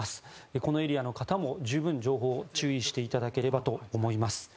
このエリアの方も十分情報に注意していただければと思います。